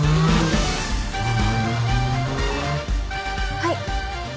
はい。